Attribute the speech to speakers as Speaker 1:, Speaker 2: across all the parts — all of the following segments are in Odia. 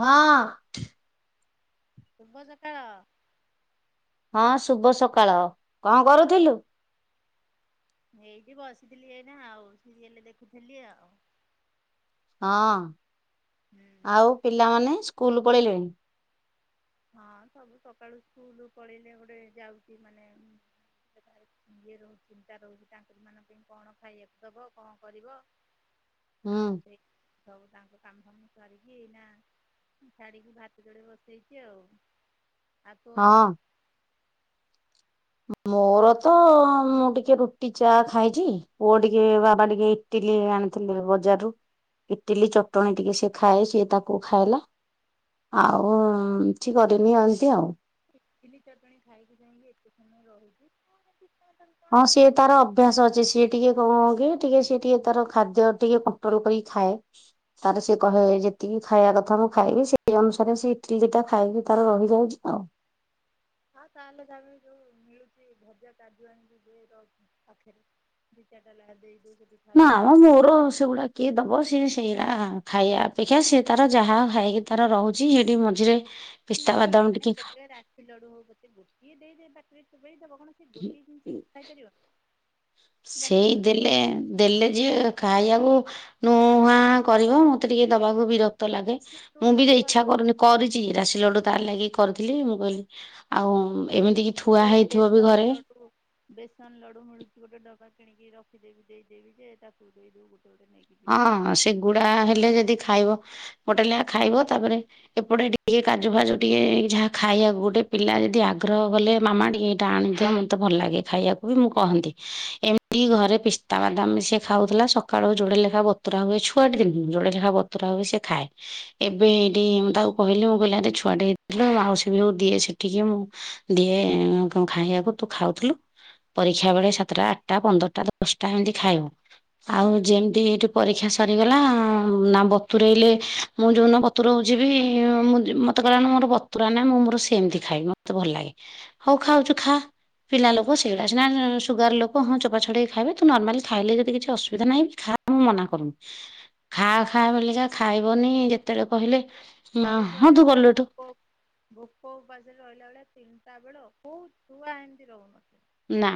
Speaker 1: ହଁ।
Speaker 2: ଶୁଭ ସକାଳ।
Speaker 1: ହଁ ଶୁଭ ସକାଳ କଣ କରୁଥିଲୁ।
Speaker 2: ଏଇଠି ବସିଥିଲି ଏଇନା ଆଉ ସିରିଏଲ ଦେଖୁଥିଲି ଆଉ।
Speaker 1: ହଁ।
Speaker 2: ହୁଁ।
Speaker 1: ଆଉ ପିଲାମାନେ ସ୍କୁଲ ପଳେଇଲେଣି।
Speaker 2: ହଁ ସବୁ ସକାଳୁ ସ୍କୁଲ ପଳେଇିଲେ ଗୋଟେ ଯାଉଛି ମାନେ ଯିଏ ରହୁ ଚିନ୍ତା ରହୁଛି ତାଙ୍କରି ମାନଙ୍କ ପାଇଁ କଣ ଖାଇବାକୁ ଦବ କଣ କରିବ
Speaker 1: ହୁଁ
Speaker 2: ଆଉ ସେଇ ସବୁ ତାଙ୍କ କାମ କରିକି ଏଇନା ଛାଡିକି ଭାତ ଯୋଡ଼େ ବସେଇଛି ଆଉ। ଆଉ ତୋର।
Speaker 1: ହଁ ମୋର ତ ମୁଁ ଟିକେ ରୁଟି ଚା ଖାଇଛି ପୁଅ ଟିକେ ବାବା ଟିକେ ଇଟିଲି ଆଣିଥିଲି ବଜାରରୁୁ ଇଟିଲି ଚଟଣୀ ଟିକେ ସିଏ ଖାଏ ସିଏ ତାକୁ ଖାଇଲା। ଆଉ କିଛି କରିନି ଏମିନ୍ତି ଆଉ
Speaker 2: ଇତିଲି ଚଟଣି ଖାଇକି ଯାଇକି ଏତେ ସମୟ ରହୁଛି। କଣ କଣ
Speaker 1: ହଁ ସିଏ
Speaker 2: ତୁ
Speaker 1: ତାର ଅଭ୍ୟାସ ଅଛି ସିଏ ଟିକେ କଣ କି ଟିକେ ସିଏ ଟିକେ ତାର ଖାଦ୍ୟ ଟିକେ କଣ୍ଟ୍ରୋଲ କରିକି ଖାଏ। ତାର ସେ କହେ ଯେତିକି ଖାଇବା କଥା ମୁଁ ଖାଇବି ସେଇ ଅନୁସାରେ ସେ ଇଟିଲି ଦିଟା ଖାଇବି ତାର ରହିଯାଉଛି ଆଉ।
Speaker 2: ହଁ ତାହେଲେ ତାପାଇଁ ଯୋଉ ମିଳୁଛି ଭଜା କାଜୁ ଆଣିକି ଦିଏ ତ ପାଖରେ ବି ଚାରଟା ଲା ଦେଇ ଦବୁ ସେଠି ଖାଇଦବା
Speaker 1: ନାମ
Speaker 2: ସେଠି।
Speaker 1: ମୋର ସେଗୁଡା କିଏ ଦବ ସିଏ ସେଇରା ଖାଇବା ଅପେକ୍ଷା ସିଏ ତାର ଯାହା ଖାଇକି ତାର ରହୁଛି ହେଠି ମଝିରେ ପିସ୍ତା
Speaker 2: ନାଇଁ
Speaker 1: ବାଦାମ
Speaker 2: ମାନେ
Speaker 1: ଟିକେ ଖା-
Speaker 2: କେତେ ରାଶି ଲଡୁ ହଉ ପଛେ ଗୋଟିଏ ଦେଇଦେ ବାଟରେ ଚୋବେଇ ଦେବ କଣ ସେ ଗୋଟେ ଜିନିଷ ଖାଇପାରିବ। ରାଶି
Speaker 1: ସେଇ
Speaker 2: ଲଡୁ ଟେ
Speaker 1: ଦେଲେ ଦେଲେ ଯିଏ ଖାଇବାକୁ ନୁଁ ହାଁ କରିବ ମତେ ଟିକେ ଦବାକୁ ବିର କ୍ତ ଲାଗେ
Speaker 2: କି
Speaker 1: ମୁଁ
Speaker 2: ପୁରୁଣା
Speaker 1: ବି ତ ଇଚ୍ଛା
Speaker 2: କରିବ
Speaker 1: କରୁନି କରିଛି ରାଶି ଲଡୁ ତାର ଲାଗି କରିଥିଲି ମୁଁ କହିଲି ଆଉ ଏମିତି କି
Speaker 2: କେତେବେଳେ ବେସନ ଲଡୁ ବେସନ ଲଡୁ ମିଳୁଛି ଗୋଟେ ଡବା କିଣିକି ରଖିଦେବି ଦେଇଦେବି ଯେ ତାକୁ ଦେଇଦେବୁ ଗୋଟେ ଗୋଟେ ନେଇକି ଯିବ
Speaker 1: ହଁ
Speaker 2: ନହେଲେ
Speaker 1: ସେଗୁଡା ହେଲେ ଯଦି ଖାଇବ ଗୋଟେ ଲେଆ ଖାଇବ ତାପରେ ଏପଟେ ଟିକେ କାଜୁ ଫାଜୁ ଟିକେ ଯାହା ଖାଇବାକୁ ଗୋଟେ ପିଲା ଯଦି ଆଗ୍ରହ କଲେ ମାମା ଟିକେ ଟା ଆଣିଦ ମତେ ଭଲ ଲାଗେ ଖାଇବାକୁ ବି ମୁଁ କହନ୍ତି ଏମିତି ଘରେ ପିସ୍ତା ବାଦାମ ସେ ଖାଉଥିଲା ସ କାଳୁ ଯୋଡେ ଲେଖା ବତୁରା ହୁଏ ଛୁଆଟି [unintelligible] ଜୋଡେ ଲେଖା ବତୁର ହୁଏ ସେ ଖାଏ। ଏବେ ଏଇଠି ମୁଁ ତାକୁ କହିଲି ମୋ କହିଲା ଛୁଆଟେ ହେଇଥିଲ ମାଉସୀ ବି ହଉ ଦିଏ ସେଠିକି ମୁଁ ଦିଏ ଖାଇବାକୁ ତୁ ଖାଉଥିଲୁ। ପରୀକ୍ଷା ବେଳେ ସାତଟା ଆଠଟା ପନ୍ଦରଟା ଦଶଟା ଏମିତି ଖାଇବ ଆଉ
Speaker 2: ହୁଁ
Speaker 1: ଯେମିତି ଏଠି ପରୀକ୍ଷା ସରିଗଲା ନା ବତୁରେଇଲେ ମୁଁ ଯଉ ଦିନ ବତୁରଉଛିି ବି ମୁଁ ମ କଲା ମୋର ବତୁରା ନା ମୁଁ ମୋର ସେମିତି ଖାଇ ମତେ ଭଲ ଲାଗେ ହଉ ଖାଉଛୁ ଖା। ପିଲା ଲୋକ ସେଇଗୁଡା ସିନା ସୁଗାର ଲୋକ ହଁ ଚୋପା ଛଡ଼େଇ ଖାଇବେ ତୁ ନର୍ମାଲି ଖାଇଲେ ଯଦି କିଛି ଅସୁବିଧା ନାହିଁ ଖା। ମୁଁ ମନା କରୁନି ଖା ଖା ବୋଲିକା ଖାଇବନି ଯେତେଳେ କହିଲେ
Speaker 2: ଘରକୁ
Speaker 1: ହଁ
Speaker 2: ଆଇଳା
Speaker 1: ତୁ
Speaker 2: ପୁରା
Speaker 1: ଗଲୁ ଏଠୁ
Speaker 2: ଭୋକ ଭୋକ ଉପାସରେ ରହିଲା ବେଳିଆ ତିନିଟା ବେଳ କୋଉ ଛୁଆ ଏମତି ରହୁନଥିବ।
Speaker 1: ନା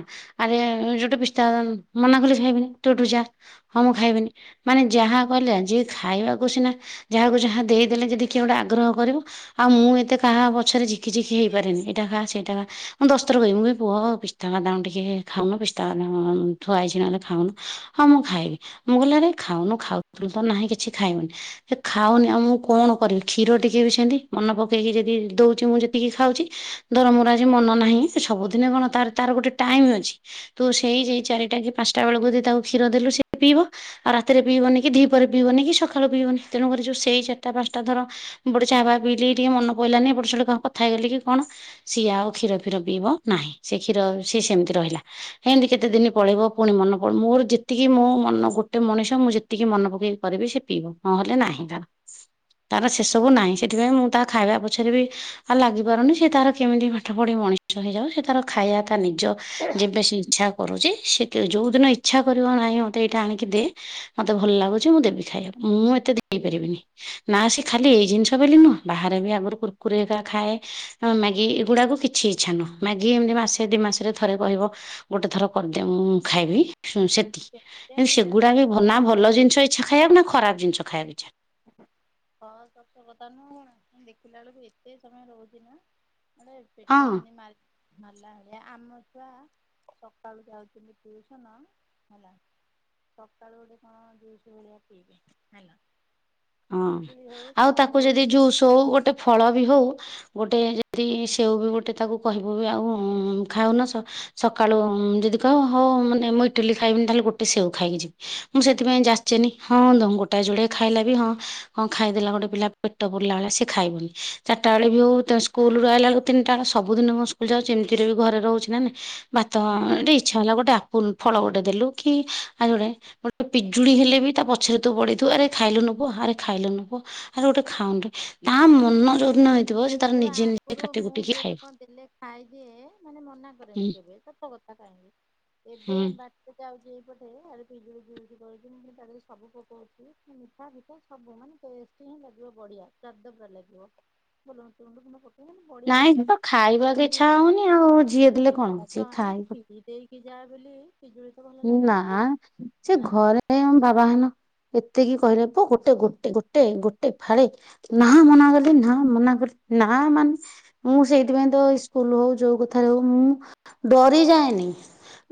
Speaker 1: ଆରେ ଯୋଟେ ପସଦାବାଦାମ ମନା କଲି କିଛି ଖାଇବିନି ତୁ ଏଠୁ ଯା। ହଁ ମୁଁ ଖାଇବିନି ମାନେ ଯାହା କହିଲେ ଯିଏ ଖାଇବାକୁ ସିନା ଯାହାକୁ ଯାହା ଦେଇଦେଲେ ଯଦି କିଏ ଗୋଟେ ଆଗ୍ରହ କରିବ ଆଉ ମୁଁ ଏତେ କାହା ପଛରେ ଝିକି ଝିକି ହେଇପାରେନି ଏଇା ଖା ସେଇଟା ଖା ମୁଁ ଦସ୍ତର କହିବ ମୁଁ ବି ପୁଅ ପି ପିସ୍ତା ବାଦାମ ଟିକେ ଖାଉନୁ ପିସ୍ତା ବାଦାମ ଥୁଆ ହେଇଛି ନହେଲେ ଖାଉନୁ ହଁ ମୁଁ ଖାଇବି। ମୁଁ କହିଲି ଆରେ ଖାଉନୁ ଖାଉଥିଲୁ ତ ନାହିଁ କିଛି ଖାଇବିନି। ହେ ଖାଉନି ଆଉ ମୁଁ କଣ କରିବି କ୍ଷୀର ଟିକେ ବି ସେମିତି ମନେ ପକେଇକି ଯଦି ଦଉଛି ମୁଁ ଯେତିକି ଖାଉଛି। ଧରମୋର ଆଜି ମନ ନାହିଁ ସବୁଦିନ କଣ ତାର ତାର ଗୋଟେ ଟାଇମ ଅଛି। ତୁ ସେଇ ଯି ଚାରିଟା କି ପାଞ୍ଚଟା ବେଳକୁ ଯଦି ତାକୁ କ୍ଷୀର ଦେଲୁ ସେଏ ପିଇବ। ଆଉ ରାତିରେ ପିଇବନି କି ଦିପହରେ ପିଇବନି କି ସକାଳୁ ପିଇବନି ତେଣୁକରି ଯୋଉ ସେଇ ଚାରିଟା ପାଞ୍ଚଟା ଧର ଗୋଟେ ଚାହା ବାଆ ପଇଲି ଟିକେ ମନ ପଇଲାନି ଏପଟେ [unintelligible] କଣ ହେଇଗଲି କି କଣ ସିଏ ଆଉ କ୍ଷୀର ଫୀର ପିଇବ ନାହିଁ। ସେ କ୍ଷୀର ସିଏ ସେମିତି ରହିଲା। ହେମତି କେତେ ଦିନ ପଳେଇବ ପୁଣି ମନ ପ ମୋର ଯେତିକି ମୋ ମନ ଗୋଟେ ମଣିଷ ମୁଁ ଯେ ଟିକେ ମନେ ପକେଇକି କରିବି ସେ ପିଇବ ନହଲେ ନାହିଁ ତାର। ତାର ସେସବୁ ନାହିଁ ସେଥିପାଇଁ ମୁଁ ତା ଖାଇବା ପଛରେ ବି ଆଉ ଲାଗି ପାରୁନି ସେ ତାର କେମିତି ପାଠ ପଢି ମଣିଷ ହେଇଯାଉ ସେ ତାର ଖାଇବା ତା ନିଜ ଯେବେ ସେ ଇଚ୍ଛା କରୁଛି ସେ ଯୋଉ ଦିନ ଇଛା କରିବ ନାହିଁ ମତେ ଏଇଟା ଆଣିକି ଦେ ମତେ ଭଲ ଲାଗୁଛି ମୁଁ ଦେବି ଖାଇବା ମୁଁ ଏତେ ଦେଇ ପାରିବିନି। ନା ସେ ଖାଲି ଏଇ ଜିନିଷ ବୋଲି ନୁହଁ ବାହାରେ ବି ଆଗରୁ କୁରକୁରେ ଏକା ଖାଏ। ଆ ମ୍ୟାଗି ଏଗୁଡାକୁ କିଛି ଇଛା ନୁହଁ। ମାଗି କି ଏମତି ମାସେ, ଦି ମାସରେ ଥରେ କହିବ ଗୋଟେ ଥର କରିଦିଅ ମୁଁ ଖାଇବି ସେ
Speaker 2: ଏମିତିଆ
Speaker 1: ଏଁ
Speaker 2: ପିଲାଟା
Speaker 1: ସେଗୁଡା ବି
Speaker 2: ଏତେ
Speaker 1: ଭ ନା
Speaker 2: ସମୟ
Speaker 1: ଭଲ
Speaker 2: ରହୁଛି
Speaker 1: ଜିନିଷ ଇଚ୍ଛା ଖାଇଆକୁ ନା ଖରାପ ଜିନଷ ଖାଇଆକୁ ଇଚ୍ଛା।
Speaker 2: ଅଁ ସତ କଥା ନୁଁ [unintelligible] ଦେଖିଲା ଏଳକୁ ଏତେ ସମୟ ଲାଗୁଚି ନା। [unintelligible] ପେଟ୍
Speaker 1: ହଁ
Speaker 2: ଯେମିତି ମାରି ମାରଲା ଭଳିଆ ଆମ ଛୁଆ ସକାଳୁ ଯାଉଚ଼ନ୍ତି ଟିଉସନ ହେଲା ସକାଳୁ ଗୋଟେ କଣ ଜୁଷୁ ଭଳିଆ ପିଇବେ ହେଲା।
Speaker 1: ଅଁ
Speaker 2: ପିଜୁଳି ହଉ
Speaker 1: ଆଉ
Speaker 2: ଯାହା
Speaker 1: ତାକୁ
Speaker 2: ହଉ
Speaker 1: ଯଦି
Speaker 2: ହଁ
Speaker 1: ଜୁସ୍ ତୋଉ ଗୋଟେ ଫଳ ବି ହଉ ଗୋଟେ ଯଦି ସେଉ ବି ଗୋଟେ ତାକୁ କହିବୁ ବି ଆଉ ଖାଉନ ସ ସକାଳୁ ଯଦି କହ ହଉ ମାନେ ମୁଁ ଇଟିଲି ଖାଇବିନି ତାହେଲେ ଗୋଟେ ସେଓ ଖାଇକି ଯିବି। ମୁଁ ସେଥିପାଇଁ ଯାଚେନି ହଁ ତ ଗୋଟାଏ ଯୋଡେ ଖାଇଲା ବି ହଁ। କଁ ଖାଇଦେଲା ଗୋଟେ ପିଲା ପେଟ ପୁରିଲା ଭଳିଆ ସେ ଖାଇବନି ଚାଟା ଏଳେ ବି ହଉ ତା ସୁ କୁଲୁ ରୁ ଆଇଲା ଏଳକୁ ତିନିଟା କଁ ସବୁ ଦିନ କଁ ସ୍କୁଲ ଯାଉଚି ଏମତିରେ ବି ଘରେ ରହୁଚି ନା ନାଇଁ। ଭାତ ଟିଏ ଇଚ୍ଛା ହେଲା ଗୋଟେ ଆପୁଲ୍ ଫଳ ଗୋଟେ ଦେଲୁ କି ଆଉ [unintelligible] ପିଜୁଳି ହେଲେ ବି ତା ପଛରେ ତୁ ପଡିଥିଉ ଆରେ ଖାଇଲୁନୁ ପୁଅ ଆରେ ଖାଇଲୁନୁ ପୁଅ ଆରେ ଓଟେ ଖାଉନୁରେ ତା ମନ ଯୋଉଦୁନ ହେଇ
Speaker 2: ତୋ ଆଗରୁ ମୁଁ ବି ଗୋଟେ କଁ ଦେଲେ ଖାଇଦିଏ ମାନେ ମନା
Speaker 1: ହୁଁ
Speaker 2: କରେନି କେବେ ସତ କଥା କାହିଁକି ଏବେ
Speaker 1: ହୁଁ
Speaker 2: ବା ଏତେ ଆଉଚି ଏଇପଟେ ଆରେ ପିଜୁଳି [unintelligible] ମୁଁ ତା ଦେରେ ସବୁ ପୋକ ଅଛି ମିଠା ଫିଠା ସବୁ ମାନେ ଟେଷ୍ଟ ହିଁ ଲାଗିବ ବଢିଆ ସ୍ୱାଦ ପୁରା ଲାଗିବ। ଭଲ [unintelligible] [unintelligible] କିନ୍ତୁ ବଢିଆ
Speaker 1: ନାଇଁ ତ ଖାଇବାକୁ
Speaker 2: ଲାଗୁଚି
Speaker 1: ଇଚ୍ଛା ହଉନି ଆଉ ଯିଏ ଦେଲେ କଣ ସିଏ ଖାଇବ।
Speaker 2: [unintelligible] ଇଜା ବୋଲି ପିଜୁଳି ତ ଭଲ ଲାଗେ
Speaker 1: ନା
Speaker 2: ନାଇଁ
Speaker 1: ସେ ଘରେ ବାବା ହେନ ଏତିକି କହିଲାପା ଗୋଟେ ଗୋଟେ ଗୋଟେ ଗୋଟେ ଫାଳେ ନାଁ ମନା କରଦେନି ନା ମନା [unintelligible] ନା ମାନେ ମୁଁ ସେଇତିପାଇଁ ତାଉ ସ୍କୁଲ ହଉ ଯୋଉ କଥାରେ ହଉ ମୁଁ ଡରି ଯାଏନି।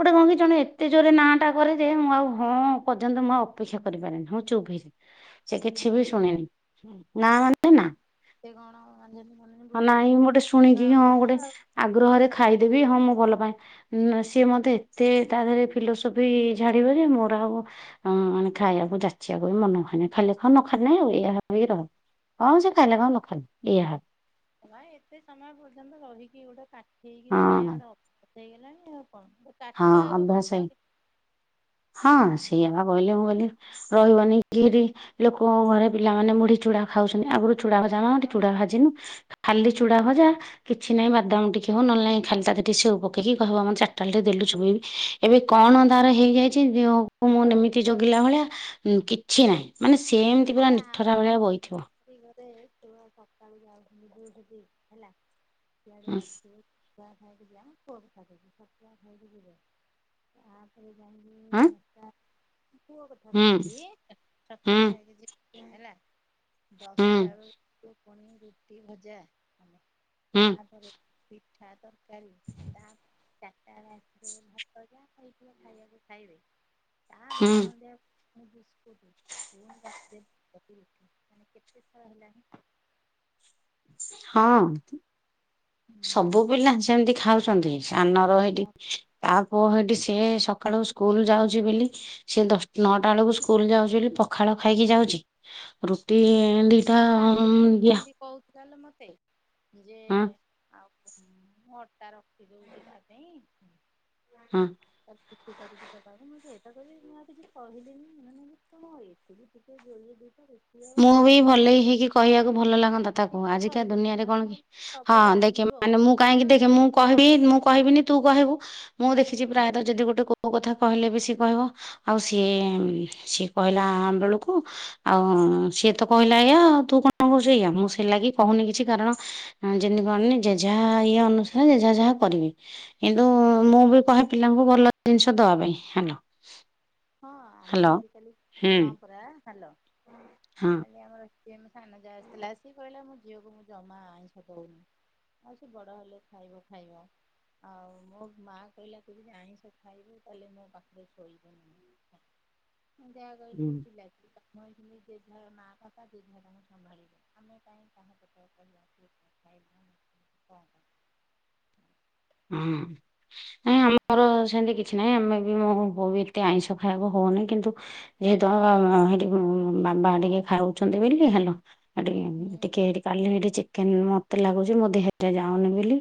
Speaker 1: ଗୋଟେ କଁ କି ଜଣେ ଏ ତେ ଜୋରେ ନାଁଟା କରେ ଯେ ମୁଁ ଆଉ ହଁ ପର୍ଯ୍ୟନ୍ତ ମୁଁ ଆଉ ଅପେକ୍ଷା କରିପାରେନା ହୁଁ ଚୁପ୍ ହୋଇଯାଏ। ସେ
Speaker 2: ନା
Speaker 1: କିଛି ବି ଶୁଣେନି ନାଁ
Speaker 2: ହଁ
Speaker 1: ମନେ
Speaker 2: ପିଲା
Speaker 1: ନା।
Speaker 2: ସେ କଣ ଅଞ୍ଜନୀ ମଞ୍ଜନୀ
Speaker 1: ହଁ ନାଇଁ ମୁଁ
Speaker 2: ବୁଝେଇଥିଲେ
Speaker 1: ଗୋଟେ ଶୁଣିକି
Speaker 2: ତା
Speaker 1: ହଁ ଗୋଟେ
Speaker 2: ପୂଜା ଆ
Speaker 1: ଆଗ୍ରହରେ ଖାଇଦେବି ହଁ ମୁଁ ଭଲ ପାଏଁ। ନା ସିଏ ମତେ ଏତେ ତା ଧେରେ ଫିଲୋସପି ଝାଡିବ ଯେ ମୋର ଆଉ ହଁ ମାନେ ଖାଇଆକୁ ଯାଚିଆକୁ ବି ମନ ହୁଏନି ଖାଇଲେ ଖା ନ ଖାଲେ ନାଇଁ ଆଉ ଏଆ ଭାବିକି ରହ। ହଁ ସେ ଖାଇଲେ ଖାଉ ନଖାଲେ ଏଆ ହ
Speaker 2: ନାଇଁ ଏତେ ସମୟ ପର୍ଯ୍ୟନ୍ତ ରହିକି ଗୋଟେ କାଖେଇକି ରହିଆ
Speaker 1: ହଁ
Speaker 2: ଗୋଟେ ଅ [unintelligible] ହେଇଗଲାଣି ଆଉ କଣ
Speaker 1: ହଁ
Speaker 2: କାଖା ଆକୁ କଁ
Speaker 1: ଅଭ୍ୟାସ ହେଇ
Speaker 2: [unintelligible] କି
Speaker 1: ହଁ ସେୟା ବା କହିଲି ମୁଁ ଓଲି ରହିବନି କିରି ଲୋକଙ୍କ ଘରେ ପିଲାମାନେ ମୁଢି, ଚୁଡା ଖାଉଚନି ଆଗରୁ ଚୁଡ଼ା ଭଜା ଆଣନ୍ତି ଚୁଡ଼ା ଭାଜିନୁ। ଖାଲି ଚୁଡା ଭଜା କିଛି ନାଇଁ ବାଦାମ ଟିକେ ହଉ ନହେଲେ ନାଇଁ ଖାଲି ତା ଧିଅରେ ଟିକେ ସେଉ ପକେଇକି କହିବ ମ ଚାଟାଏଲ ଟି ଦେଲୁ ଚୋବେଇବି ଏବେ କଣ ତାର ହେଇଯାଇଚି ଯେ ମୁଁ ନ ଏମିତି ଜଗିଲା ଭଳିଆ କିଛି ନାଇଁ ମାନେ ସେମିତି
Speaker 2: ଆରେ
Speaker 1: ପୁରା ନିଠରା
Speaker 2: ଆମ
Speaker 1: ଭଳିଆ ବଇଥିବ।
Speaker 2: [unintelligible] ହେଲା [unintelligible] ଚ଼ା
Speaker 1: ହୁଁ
Speaker 2: ଖାଇକି ଯା [unintelligible] ଛତୁଆ ଖାଇକି ଯିବେ। ତାପରେ ଯାଇଁକି
Speaker 1: ଆଁ
Speaker 2: ଦଶଟା ପୁଅ କଥା
Speaker 1: ହୁଁ
Speaker 2: କହୁଚି
Speaker 1: ହୁଁ
Speaker 2: ଛତୁଆ ଖାଇକି ଯିପ୍ ହେରା
Speaker 1: ହୁଁ
Speaker 2: ଦଶଟା ରୁ ପୁଣି ରୁଟି, ଭଜା ଆମେ
Speaker 1: ହୁଁ
Speaker 2: ତାପରେ ପିଠା ତର କାରି ତାପ ଚାଟା ଏଳେ ଆସିକି ଭାତ ଯା [unintelligible] ଖାୟାକୁ ଖାଇବେ
Speaker 1: ହୁଁ
Speaker 2: ତାପରେ ସନ୍ଧ୍ୟା ମୁଁ ବିସ୍କୁଟ [unintelligible] ମାନେ କେତେ ଥର ହେଲାଣି?
Speaker 1: ହଁ
Speaker 2: ହେଲା
Speaker 1: ସବୁ ପିଲା ସେମିତି ଖାଉଛନ୍ତି। ସାନର ହେଇଠି
Speaker 2: ମତେ
Speaker 1: ତା ପୁଅ ହେଇଠି ସିଏ ସକାଳୁ ସ୍କୁଲ ଯାଉଛି ବୋଲି ସେ ଦଶ ନଅଟା ବେଳକୁ ସ୍କୁଲ ଯାଉଛି ବୋଲି ପଖାଳ ଖାଇକି ଯାଉଛି ରୁଟି ଏ ଦିଆ
Speaker 2: କହୁ ଥିଲା ଲୋ ମତେ ଯେ
Speaker 1: ହଁ
Speaker 2: ଆଉ ମୁଁ ଅଟା ରଖିଦଉଚି ତା ପାଇଁ
Speaker 1: ହଁ
Speaker 2: ତ କିଛି କରିକି ଦବାକୁ ମୁଁ ସେଇପା କହିଲି ମୁଁ ଆଉ କିଛି କହିବିନି ମାନେ କଁ ଇଏ। ସେ ବି ଟିକେ ଜଲଦି ଦେଇ ଦେ ଆ
Speaker 1: ଭଲ ହେଇକି କହିବାକୁ ଭଲ ଲାଗନ୍ତା ତାକୁ
Speaker 2: କିଛି
Speaker 1: ଆଜିକା
Speaker 2: କହିଲିନି
Speaker 1: ଦୁନିଆରେ
Speaker 2: ବା
Speaker 1: କଣ
Speaker 2: ମୁଁ କହିଲି
Speaker 1: ହଁ
Speaker 2: ସବୁ
Speaker 1: ଦେଖେ
Speaker 2: ଜାଣିଥିବ
Speaker 1: ମାନେ ମୁଁ କାହିଁକି
Speaker 2: କହିବ
Speaker 1: ଦେଖେ ମୁଁ କହିବି ମୁଁ କହିବିନି ତୁ କହିବୁ ମୁଁ ଦେଖିଛି ପ୍ରାୟତଃ ଯଦି ଗୋଟେ କୋଉ କଥା କହିଲେ ବି ସେି କହିବ ଆଉ ସିଏ ସିଏ କହିଲା ବେଳକୁ ଆଉ ସିଏ ତ କହିଲା ଏୟା ତୁ କଣ କହୁଛୁ ଏୟା ମୁଁ ସେଇ ଲାଗି କହୁନି କିଛି କାରଣ ଯେମିତି କଣନି ଜେ ଯାହା ଇଏ ଅନୁସାରେ ଜେଜାହା ଯାହା କରିବେ। କିନ୍ତୁ
Speaker 2: ହଁ
Speaker 1: ମୁଁ ବି କହେ ପିଲାଙ୍କୁ ଭଲ ଜିନିଷ ଦେବା ପାଇଁ ହାଲୋ।
Speaker 2: ହଁ ଆମର ଏଇଠି କାଲି
Speaker 1: ହୁଁ।
Speaker 2: ହଁ ପରା ହାଲୋ
Speaker 1: ହଁ
Speaker 2: କାଲି ଆମର ସିଏ ମ ସାନ ଯା ଆସିଥିଲା ସିଏ କହିଲା ମୋ ଝିଅକୁ ମୁଁ ଜମା ଆଇଁଷ ଦଉନି। ଆଉ ସେ ବଡ ହେଲେ ଖାଇବ ଖାଇବ। ଆଉ ମୋ ମା କହିଲା ତୁ ଯଦି ଆଇଁଷ ଖାଇବୁ ତାହେଲେ ମୋ ପାଖରେ ଶୋଇବୁନି। ମୁଁ ସେୟା କହିଲି
Speaker 1: ହୁଁ
Speaker 2: ପିଲା [unintelligible] ମୁ ଭାବି ଥିଲି ଯେ ଯାହା ମାଆ କଥା ଯେଝା ତାଙ୍କୁ ସମ୍ଭଳିବେ ଆମେ କାଇଁ କହା ପଟରେ କହିବା କୁହ। [unintelligible]
Speaker 1: ହଁ ନାଇ ଆମର ସେମିତି କି କିଛି ନାହିଁ ଆମେ ବି ମୋ ବୋଉ ବି ଏତେ ଆଇଁଷ ଖାଇବାକୁ ହଉନି କିନ୍ତୁ ଯେହେତୁ ସେଠି ବାଢିକି ଖାଉଛନ୍ତି ବୋଲି ହାଲୋ ଆ
Speaker 2: ହୁଁ
Speaker 1: ଟିକେ ଟିକେ କାଲି ହେଇ ଚି ମତେ ଲାଗୁଚି ମୋ ଦେହ ଟା ଯାଉନି ବୋଲି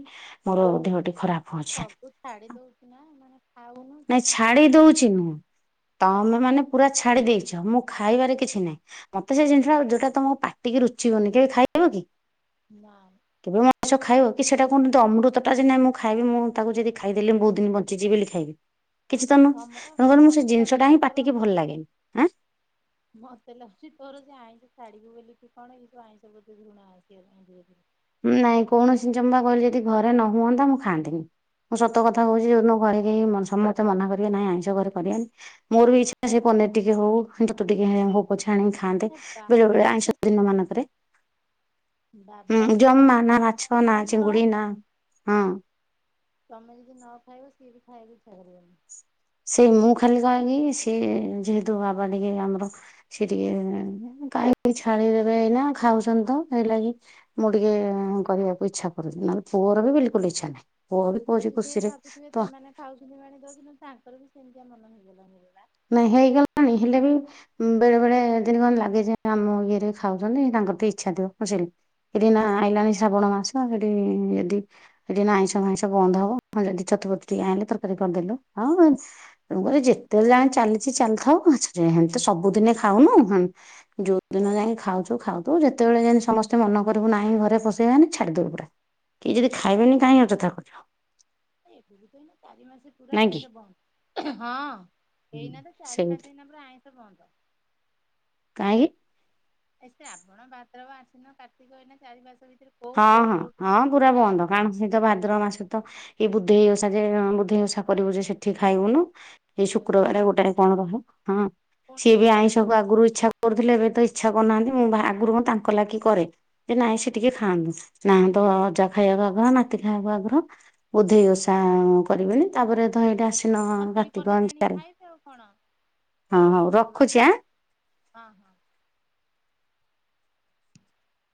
Speaker 1: ମୋର ଦେହ ଟ ଖରାପ। ହଉଛି
Speaker 2: ସବୁ ଛାଡି ଦଉଛି ନା ମାନେ ଖାଉନୁ।
Speaker 1: ନାଇଁ
Speaker 2: ଯୋଉଦିନ
Speaker 1: ଛାଡି
Speaker 2: ଦେହରେ
Speaker 1: ଦଉଛି
Speaker 2: ଚଳୁଛି।
Speaker 1: ନୁ ତମେ ମାନେ ପୁରା ଛାଡି ଦେଇଛ ମୁଁ ଖାଇବାରେ କିଛି ନାହିଁ ମତେ ସେ ଜିନିଷଟା ଯୋଉଟା ତମ ପାଟିିକି ରୁଚିବନି କେବେ ଖାଇବ କି
Speaker 2: ନା
Speaker 1: କେବେ ମଣିସ ଖାଇବ କି ସେଟା କୁହନ୍ତି ଅମୃତଟା ଯେ ନାଇଁ ମୁଁ ଖାଇବି ମୁଁ ତାକୁ ଯଦି ଖାଇଦେଲି ମୁ ବହୁତ ଦିନ ବଞ୍ଚିଛି ବୋଲି ଖାଇବି। କିଛି ତ ନୁହଁ
Speaker 2: ତମର
Speaker 1: ତେଣୁ କ
Speaker 2: ମାନେ
Speaker 1: ମୁଁ ସେ
Speaker 2: ମତେ
Speaker 1: ଜିନିଷଟା
Speaker 2: ଲାଗୁଛି
Speaker 1: ହିଁ
Speaker 2: ତୋର
Speaker 1: ପାଟିକି ଭଲ ଲାଗେନିଁ ଆଁ
Speaker 2: ମତେ ଲାଗୁଛି ତୋର ସେ ଆଇଁଷ ଛାଢିବୁ ବୋଲିକି କଣ ଏଇ ଆଇଁଷ ପ୍ରତି ଘୃଣା ଆସି ଗଲାଣି ଧୀରେ ଧୀରେ।
Speaker 1: ନାଇଁ କୌଣସି ଜିନିଷ ମୁଁ ପା କହିଲି ଯଦି ଘରେ ନ ହୁଅନ୍ତା ମୁଁ ଖାଆନ୍ତିନି ମୁଁ ସତ କଥା
Speaker 2: ହୁଁ
Speaker 1: କହୁଛି ଯଦ ଘରେ ସମସ୍ତେ ମନା କରିବେ ନାଇଁ ଆଇଁଷ ଘରେ କରିବାନି। ମୋର ବି ଇ୍ଛା ସେ ପନିର ଟିକେ ହଉ ଚ ଟିକେ ହଉ। ଛାଣିକି ଖାଆନ୍ତେ ବେଳେ
Speaker 2: ବାବା
Speaker 1: ବେଳେ ଆଇଁଷ ଦିନ ମାନଙ୍କରେ
Speaker 2: ଦାଦା
Speaker 1: ଉଁ
Speaker 2: ବି
Speaker 1: ଜମା
Speaker 2: ସେ
Speaker 1: ନା ମାଛ ନା
Speaker 2: ଖାଇବ।
Speaker 1: ଚିଙ୍ଗୁଡି ନା ହଁ
Speaker 2: ତମେ ଯଦି ନ ଖାଇବ ସିଏ ବି ଖାଈବା ଛାଡି ଦେବେ।
Speaker 1: ସେଇ ମୁଁ ଖାଲି କହକି ସେିଯେହେତୁ ବାବା ଟିକେ ଆମର ସେ ଟିକେ କାହିଁକ ଛାଡି ଦେବେ ଏଇନା ଖାଉଛନ୍ତି ତ ହେଇଲା କିି ମୁଁ ଟିକେ କରିବାକୁ ଇଚ୍ଛା କରୁଛି ନହେଲେ ପୁଅର ବି ବିଲକୁଲ ଇଚ୍ଛା ନାହିଁ। ପୁଅ ବି
Speaker 2: ସିଏ
Speaker 1: କହୁଛି
Speaker 2: ସେଇ
Speaker 1: ଖୁସିରେ
Speaker 2: ଭାବୁଥିବେ
Speaker 1: ତ
Speaker 2: ତାମାନେ ଖାଉଛନ୍ତି ମାଣି ଦଉଛନ୍ତି ତାଙ୍କର ବି ସେମିତିଆ ମନ ହେଇଗଲାଣି ଏବେ ବା
Speaker 1: ନାଇ ହେଇଗଲାଣି ହେଲେ ବି ବେଳେ ବେଳେ ଦିନ କଣ ଲାଗେ ଯେ ଆମ ଇଏରେ ଖାଉଛନ୍ତି ତାଙ୍କର ତ ଇଛା ଥିବ [unintelligible] ସେଠି ନା ଏଇନା
Speaker 2: ହଁ
Speaker 1: ଶ୍ରାବଣ ମାସ ସେଠି ଯଦି ଏଠି ଆଇଁସ ଭାଇଁସ ବନ୍ଦ ହବଁ ଯଦି ଛତୁ ଫତୁ ଟିକେ ଆଇ ଲେ ତରକାରୀ କରିଦେଲୁ ହଁ ତେଣୁ କରି ଯେତେ ଯାଏଁ ଚାଲିଚି ଚାଲିଥାଉ ଜେହେନେ ତ ସବୁଦିନେ ଖାଉନୁ ହୁଁ। ଯୋଉ ଦିନ ଯାଏ ଖାଉଚୁ ଖାଉଥୁବୁ ଯେତେବେଳେ ଯାଏଁ ସମସ୍ତେ ମନ କରିବୁ ନାହିଁ ଘରେ ପସେଇ ବାନି ଛାଡିଦବୁ ପୁରା। କେହି ଯଦି ଖାଇବେନି କାହିଁ ଅଯଥା କରିବ।
Speaker 2: [unintelligible] ଚାରି ମାସେ ପୁରା
Speaker 1: ନାଇଁ କି?
Speaker 2: ଆଇଁଷ ବନ୍ଦ ହଁ ଏଇନା ତ ଚାରି
Speaker 1: ସେମିତି
Speaker 2: ମାସେ ଏଇନା ପୁରା ଆଇଁଷ ବନ୍ଦ।
Speaker 1: କାହିଁକି।
Speaker 2: ଏ ଆବଣ ଭାଦ୍ରବ ଆସିନ କାର୍ତ୍ତିକ ଏନା ଚାରି ମାସ ଭିତରେ କୋଉ
Speaker 1: ହଁ
Speaker 2: କୋଉ
Speaker 1: ହଁ
Speaker 2: ଗୋଟ
Speaker 1: ହଁ ପୁରା ବନ୍ଦ। ଣ ମାସ ତ ଭାଦ୍ରବ ମାସ ତ ଏଇ ବୁଦ୍ଧେଇ ଓଷା ଯେ ବୁଦ୍ଧେଇ ଓଷା କରିବୁ ଯେ ସେଠି ଖାଇବୁନୁ। ଏଇ
Speaker 2: ସେଇ ଓଷା
Speaker 1: ଶୁକ୍ରବାର ଗୋଟାଏ କଣ ରହେ ହଁ
Speaker 2: ପୁଣି
Speaker 1: ସିଏ ବି
Speaker 2: ଯଦି ସେଇ
Speaker 1: ଆଇଁଷକୁ ଆଗରୁ ଇଚ୍ଛା କରୁଥିଲେ ଏବେ ତ ଇଚ୍ଛା କରୁନାହାନ୍ତି ମୁଁ ବା ଆଗରୁ ମୁଁ ହଁ ତାଙ୍କ ଲାଗି କରେ ଯେ ନାଇଁ ସେ ଟିକେ ଖାଆନ୍ତୁ ନାହାନ୍ତ ଅଜା ଖାଇବାକୁ ଆଗର ନାତି ଖାଇବ ଆଗରୁ। ବୁଧେଇ ଓଷା କରିବେନି ତାପରେ ତ ହେଇଟା ଆସ ସେଦିନ
Speaker 2: ଛତୁ କି
Speaker 1: ଘାତିକ
Speaker 2: ପନିର ଆଣିକି
Speaker 1: ଅନୁସାରେ
Speaker 2: ଖାଇବେ ଆଉ କଣ।
Speaker 1: ହଁ ହଉ
Speaker 2: ବୁଧବାର
Speaker 1: ରଖୁଛି ଆଁ।
Speaker 2: ହଁ ହଁ।